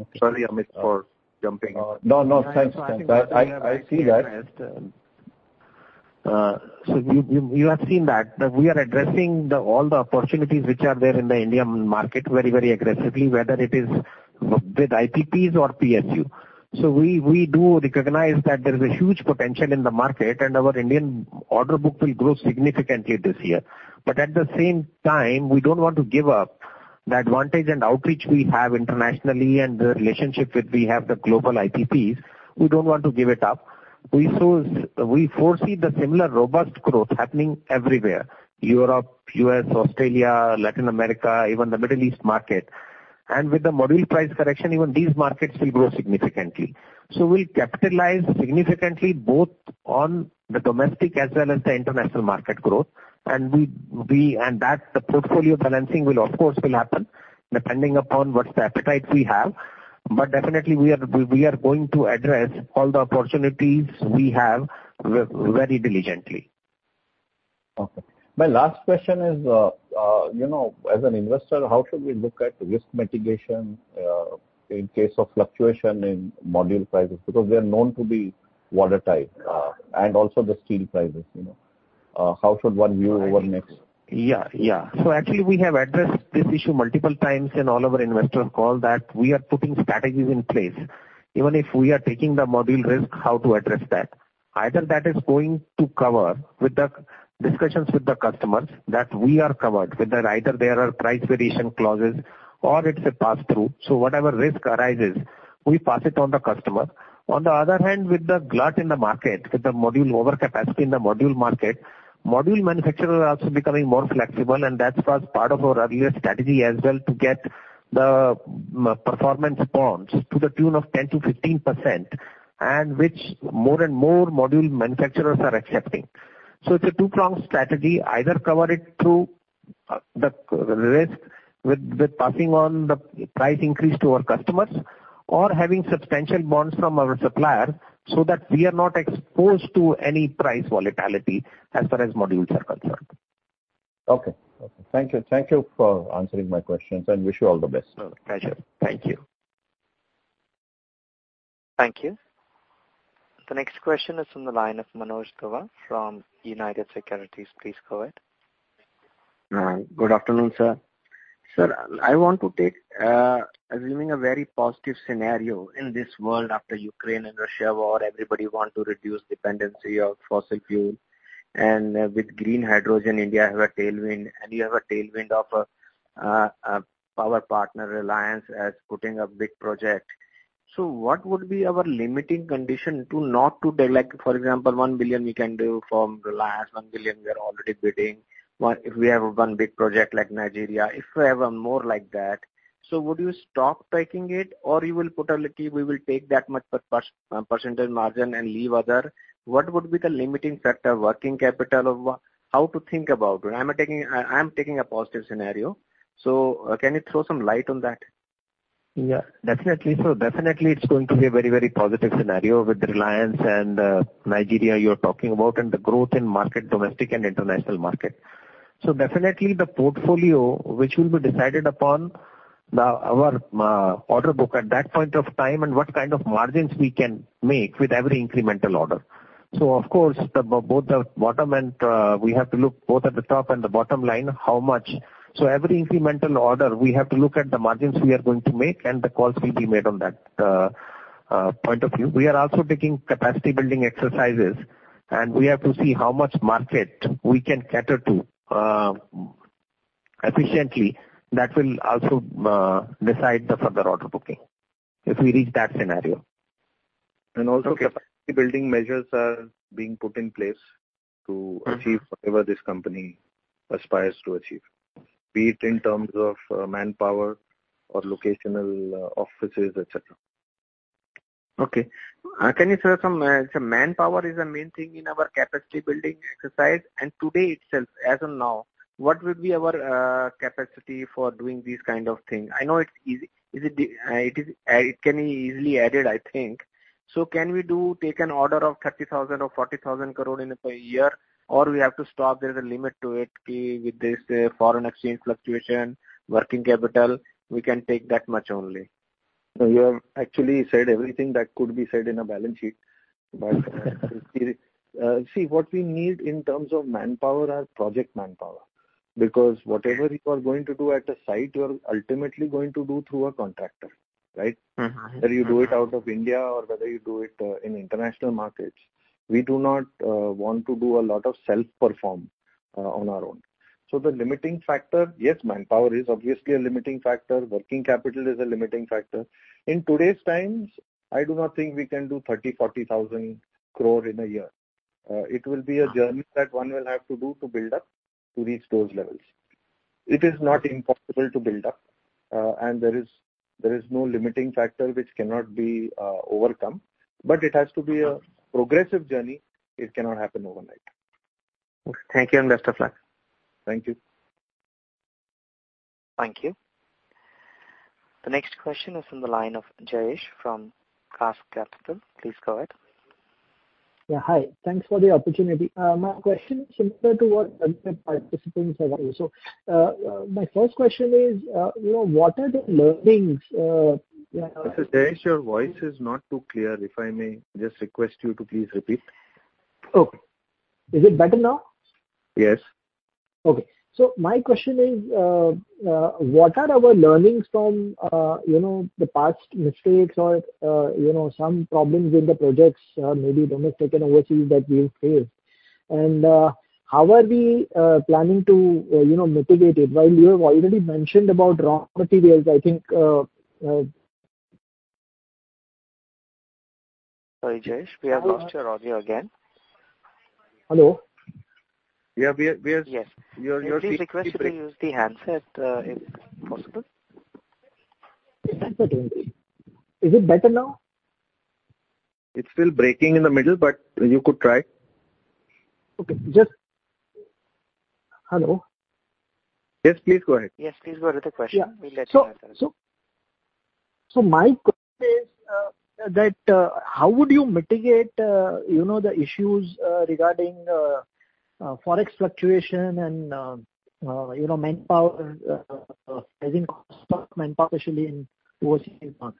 Okay. Sorry, Amit, for jumping in. No, no. Thanks. I see that. You have seen that we are addressing all the opportunities which are there in the Indian market very, very aggressively, whether it is with IPPs or PSU. We do recognize that there is a huge potential in the market and our Indian order book will grow significantly this year. At the same time, we don't want to give up the advantage and outreach we have internationally and the relationship which we have with global IPPs. We don't want to give it up. We foresee the similar robust growth happening everywhere, Europe, US, Australia, Latin America, even the Middle East market. With the module price correction, even these markets will grow significantly. We'll capitalize significantly both on the domestic as well as the international market growth. That's the portfolio balancing will of course happen depending upon what's the appetite we have. Definitely we are going to address all the opportunities we have very diligently. Okay. My last question is, you know, as an investor, how should we look at risk mitigation, in case of fluctuation in module prices? We are known to be watertight, and also the steel prices, you know. How should one view over next? Yeah, yeah. Actually we have addressed this issue multiple times in all of our investor call that we are putting strategies in place. Even if we are taking the module risk, how to address that. Either that is going to cover with the discussions with the customers that we are covered, whether either there are price variation clauses or it's a passthrough. Whatever risk arises, we pass it on the customer. On the other hand, with the glut in the market, with the module overcapacity in the module market, module manufacturers are also becoming more flexible, and that was part of our earlier strategy as well, to get the performance bonds to the tune of 10%-15%, and which more and more module manufacturers are accepting. It's a two-pronged strategy, either cover it through the risk with passing on the price increase to our customers or having substantial bonds from our supplier so that we are not exposed to any price volatility as far as modules are concerned. Okay. Thank you. Thank you for answering my questions and wish you all the best. No, pleasure. Thank you. Thank you. The next question is from the line of [Manoj Dua] from United Securities. Please go ahead. Good afternoon, sir. Sir, I want to take, assuming a very positive scenario in this world after Ukraine and Russia war, everybody want to reduce dependency of fossil fuel. With green hydrogen, India have a tailwind, and you have a tailwind of, our partner Reliance as putting a big project. What would be our limiting condition to not to take like, for example, $1 billion we can do from Reliance, $1 billion we are already bidding. If we have one big project like Nigeria, if we have a more like that. Would you stop taking it or you will put a limit we will take that much percentage margin and leave other? What would be the limiting factor, working capital of what? How to think about it? I am taking a positive scenario. Can you throw some light on that? Yeah, definitely. Definitely it's going to be a very, very positive scenario with Reliance and Nigeria you're talking about, and the growth in market, domestic and international market. Definitely the portfolio which will be decided upon our order book at that point of time and what kind of margins we can make with every incremental order. Of course, both the bottom and we have to look both at the top and the bottom line, how much. Every incremental order, we have to look at the margins we are going to make and the calls will be made on that point of view. We are also taking capacity building exercises, and we have to see how much market we can cater to efficiently. That will also decide the further order booking if we reach that scenario. Also capacity building measures are being put in place to achieve whatever this company aspires to achieve, be it in terms of manpower or locational offices, et cetera. Okay. Can you say some manpower is the main thing in our capacity building exercise. Today itself, as of now, what will be our capacity for doing this kind of thing? I know it's easy. It is, it can be easily added, I think. Can we do take an order of 30,000 crore or 40,000 crore in a year, or we have to stop, there's a limit to it? With this foreign exchange fluctuation, working capital, we can take that much only. You have actually said everything that could be said in a balance sheet. See, what we need in terms of manpower are project manpower. Whatever you are going to do at a site, you are ultimately going to do through a contractor, right? Whether you do it out of India or whether you do it in international markets. We do not want to do a lot of self-perform on our own. The limiting factor, yes, manpower is obviously a limiting factor. Working capital is a limiting factor. In today's times, I do not think we can do 30,000-40,000 crore in a year. It will be a journey that one will have to do to build up to reach those levels. It is not impossible to build up, and there is, there is no limiting factor which cannot be overcome. It has to be a progressive journey. It cannot happen overnight. Thank you and best of luck. Thank you. Thank you. The next question is from the line of Jayesh from Cask Capital. Please go ahead. Yeah, hi. Thanks for the opportunity. My question is similar to what the participants have asked. My first question is, you know, what are the learnings? Mr. Jayesh, your voice is not too clear. If I may just request you to please repeat. Okay. Is it better now? Yes. My question is, what are our learnings from, you know, the past mistakes or, you know, some problems with the projects, maybe domestic and overseas that we've faced? How are we planning to, you know, mitigate it? While you have already mentioned about raw materials, I think. Sorry, Jayesh, we have lost your audio again. Hello? Yeah. Yes. You're still breaking. If you request, you can use the handset, if possible. Is it better now? It's still breaking in the middle, but you could try. Okay. Just... Hello? Yes, please go ahead. Yes, please go with the question. We'll let you answer. My question is, that, how would you mitigate, you know, the issues, regarding, Forex fluctuation and, you know, manpower, rising cost of manpower, especially in overseas market?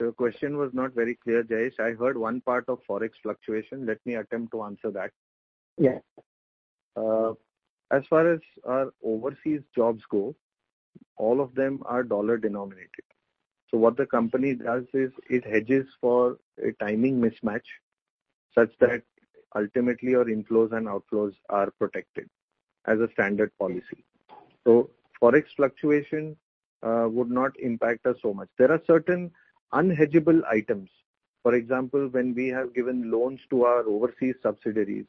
Your question was not very clear, Jayesh. I heard one part of Forex fluctuation. Let me attempt to answer that. Yes. As far as our overseas jobs go, all of them are dollar-denominated. What the company does is it hedges for a timing mismatch such that ultimately our inflows and outflows are protected as a standard policy. Forex fluctuation would not impact us so much. There are certain unhedgeable items. For example, when we have given loans to our overseas subsidiaries.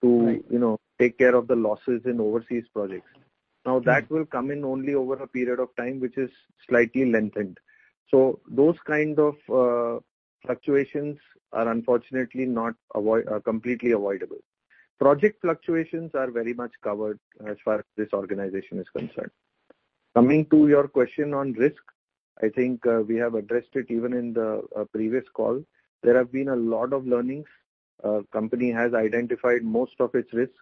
Right. you know, take care of the losses in overseas projects. That will come in only over a period of time, which is slightly lengthened. Those kind of fluctuations are unfortunately completely avoidable. Project fluctuations are very much covered as far as this organization is concerned. Coming to your question on risk, I think, we have addressed it even in the previous call. There have been a lot of learnings. Company has identified most of its risks,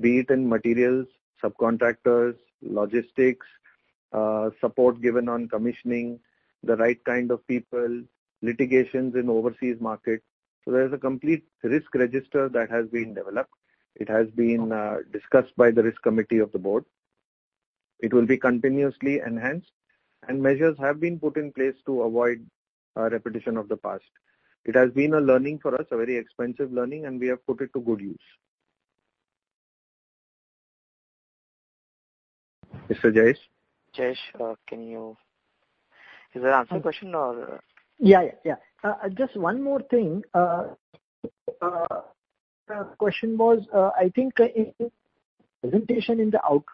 be it in materials, subcontractors, logistics, support given on commissioning, the right kind of people, litigations in overseas market. There's a complete risk register that has been developed. It has been discussed by the risk committee of the board. It will be continuously enhanced, and measures have been put in place to avoid a repetition of the past. It has been a learning for us, a very expensive learning, and we have put it to good use. Mr. Jayesh? Jayesh, Is that answer question or? Yeah, yeah. Yeah. Just one more thing. The question was, I think in presentation in the out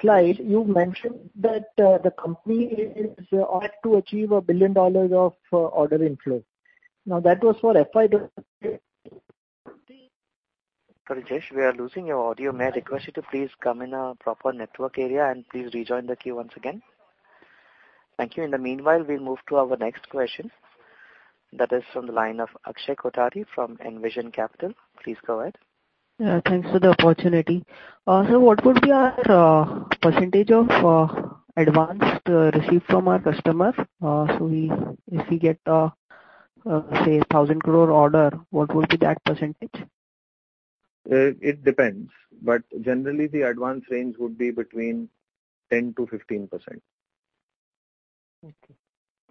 slide, you mentioned that the company is on to achieve $1 billion of order inflow. That was for FY. Sorry, Jayesh, we are losing your audio. May I request you to please come in a proper network area and please rejoin the queue once again. Thank you. In the meanwhile, we move to our next question. That is from the line of Akshay Kothari from Envision Capital. Please go ahead. Yeah, thanks for the opportunity. What would be our percentage of advanced receipt from our customers? If we get, say 1,000 crore order, what would be that percentage? It depends, but generally the advance range would be between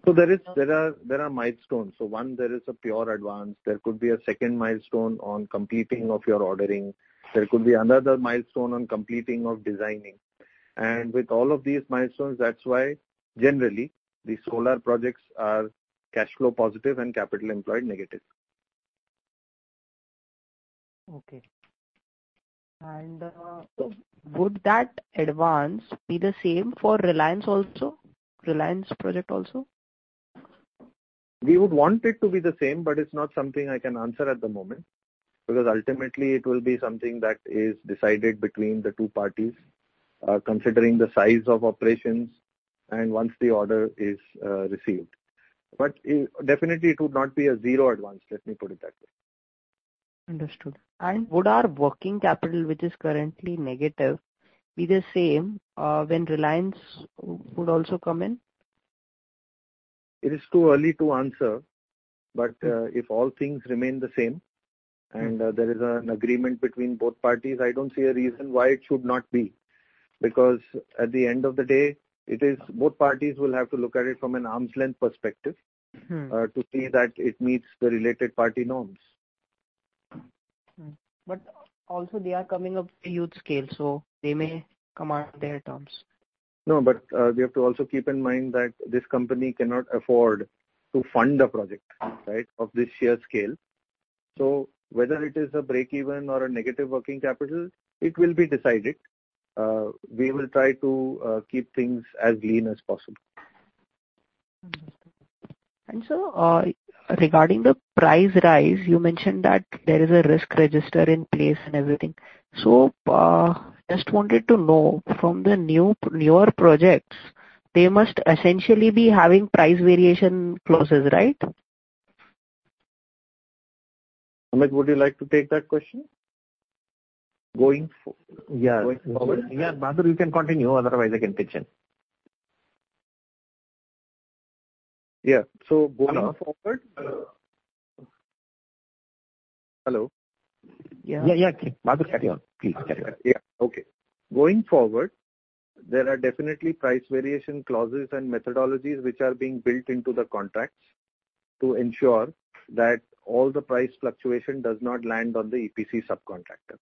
10%-15%. Okay. There are milestones. 1, there is a pure advance. There could be a 2nd milestone on completing of your ordering. There could be another milestone on completing of designing. With all of these milestones, that's why generally these solar projects are cash flow positive and capital employed negative. Okay. So would that advance be the same for Reliance also? Reliance project also? We would want it to be the same, but it's not something I can answer at the moment, because ultimately it will be something that is decided between the two parties, considering the size of operations and once the order is received. Definitely it would not be a zero advance, let me put it that way. Understood. Would our working capital, which is currently negative, be the same, when Reliance would also come in? It is too early to answer, if all things remain the same and there is an agreement between both parties, I don't see a reason why it should not be. At the end of the day, it is both parties will have to look at it from an arm's length perspective. To see that it meets the related party norms. Also they are coming of a huge scale. They may come on their terms. But, we have to also keep in mind that this company cannot afford to fund a project, right, of this sheer scale. Whether it is a break-even or a negative working capital, it will be decided. We will try to keep things as lean as possible. Understood. Regarding the price rise, you mentioned that there is a risk register in place and everything. Just wanted to know from the newer projects, they must essentially be having price variation clauses, right? Amit, would you like to take that question? Yeah. Going forward? Yeah. Bahadur, you can continue, otherwise I can pitch in. Yeah. going forward. Hello? Hello? Yeah, yeah. Bahadur, carry on. Please carry on. Yeah. Okay. Going forward, there are definitely price variation clauses and methodologies which are being built into the contracts to ensure that all the price fluctuation does not land on the EPC subcontractor.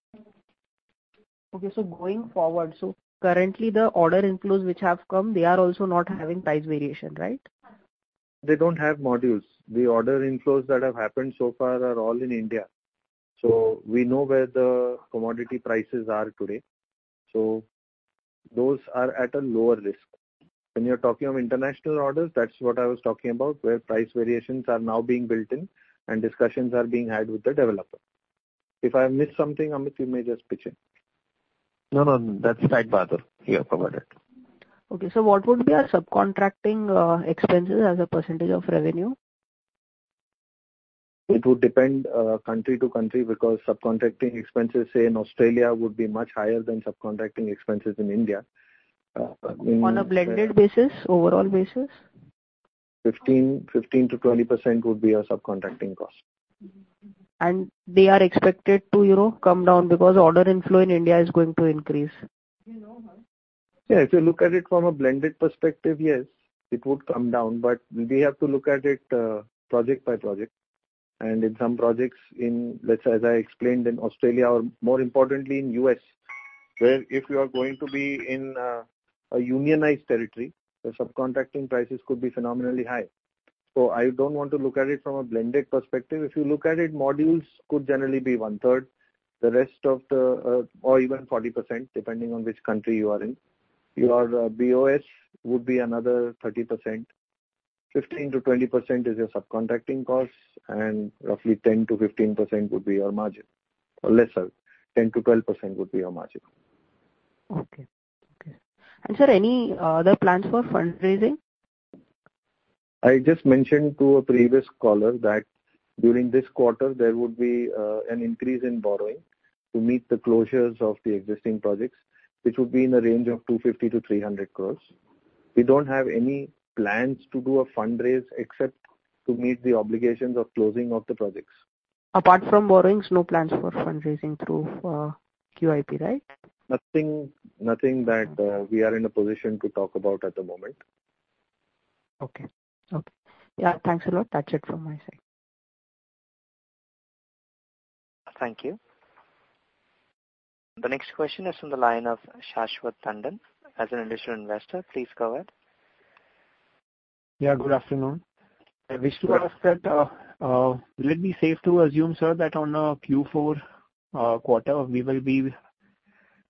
Okay, going forward, currently the order inflows which have come, they are also not having price variation, right? They don't have modules. The order inflows that have happened so far are all in India. We know where the commodity prices are today. Those are at a lower risk. When you're talking of international orders, that's what I was talking about, where price variations are now being built in and discussions are being had with the developer. If I missed something, Amit, you may just pitch in. No, no. That's right, Bahadur. You have covered it. Okay. what would be our subcontracting, expenses as a percentage of revenue? It would depend, country to country because subcontracting expenses, say, in Australia would be much higher than subcontracting expenses in India. On a blended basis, overall basis? 15%-20% would be our subcontracting cost. They are expected to, you know, come down because order inflow in India is going to increase. Yeah, if you look at it from a blended perspective, yes, it would come down. We have to look at it project by project. In some projects in, let's say as I explained in Australia or more importantly in U.S., where if you are going to be in a unionized territory, the subcontracting prices could be phenomenally high. I don't want to look at it from a blended perspective. If you look at it, modules could generally be 1/3. Or even 40%, depending on which country you are in. Your BOS would be another 30%. 15%-20% is your subcontracting cost, and roughly 10%-15% would be your margin, or lesser. 10%-12% would be your margin. Okay. Okay. sir, any other plans for fundraising? I just mentioned to a previous caller that during this quarter there would be an increase in borrowing to meet the closures of the existing projects, which would be in the range of 250 crore-300 crore. We don't have any plans to do a fundraise except to meet the obligations of closing of the projects. Apart from borrowings, no plans for fundraising through, QIP, right? Nothing that we are in a position to talk about at the moment. Okay. Yeah, thanks a lot. That's it from my side. Thank you. The next question is from the line of Shashwat Tandon. As an additional investor, please go ahead. Yeah, good afternoon. I wish to ask that, will it be safe to assume, sir, that on Q4 quarter we will be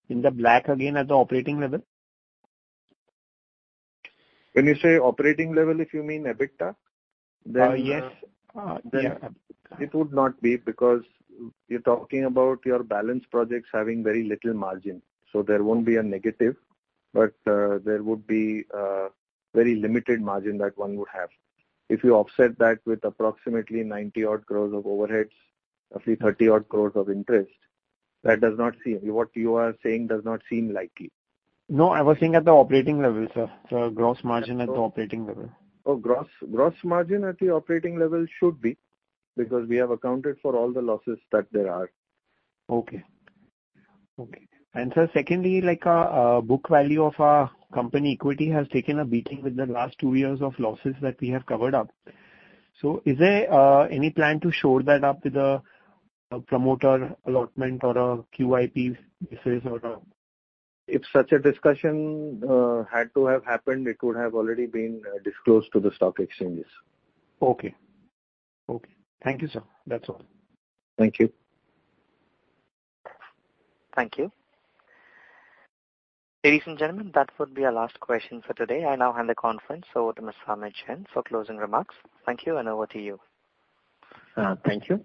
in the black again at the operating level? When you say operating level, if you mean EBITDA, then. Yes. Yeah. It would not be because you're talking about your balance projects having very little margin. There won't be a negative, but there would be very limited margin that one would have. If you offset that with approximately 90 odd crores of overheads, a few 30 odd crores of interest, What you are saying does not seem likely. No, I was saying at the operating level, sir. Gross margin at the operating level. Gross margin at the operating level should be because we have accounted for all the losses that there are. Okay. Okay. Sir, secondly, like, book value of our company equity has taken a beating with the last 2 years of losses that we have covered up. Is there any plan to shore that up with a promoter allotment or a QIP basis or a? If such a discussion had to have happened, it would have already been disclosed to the stock exchanges. Okay. Okay. Thank you, sir. That's all. Thank you. Thank you. Ladies and gentlemen, that would be our last question for today. I now hand the conference over to Mr. Amit Jain for closing remarks. Thank you, and over to you. Thank you.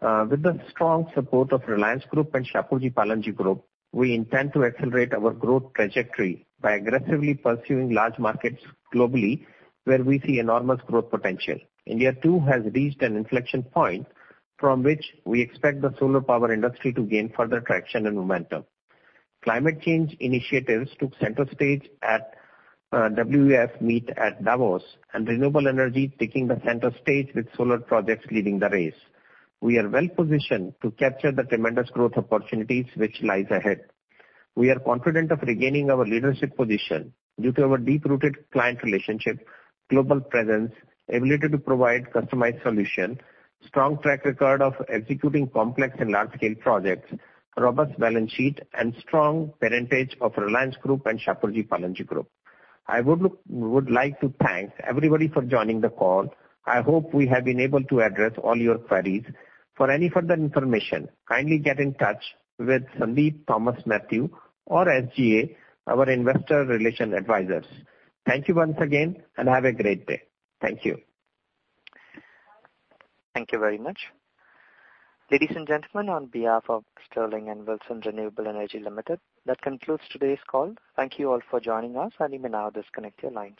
With the strong support of Reliance Group and Shapoorji Pallonji Group, we intend to accelerate our growth trajectory by aggressively pursuing large markets globally where we see enormous growth potential. India too has reached an inflection point from which we expect the solar power industry to gain further traction and momentum. Climate change initiatives took center stage at WEF meet at Davos, and renewable energy taking the center stage with solar projects leading the race. We are well-positioned to capture the tremendous growth opportunities which lies ahead. We are confident of regaining our leadership position due to our deep-rooted client relationship, global presence, ability to provide customized solution, strong track record of executing complex and large-scale projects, robust balance sheet and strong parentage of Reliance Group and Shapoorji Pallonji Group. I would like to thank everybody for joining the call. I hope we have been able to address all your queries. For any further information, kindly get in touch with Sandeep Thomas Mathew or SGA, our investor relation advisors. Thank you once again, and have a great day. Thank you. Thank you very much. Ladies and gentlemen, on behalf of Sterling and Wilson Renewable Energy Limited, that concludes today's call. Thank you all for joining us. You may now disconnect your lines.